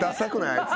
あいつ。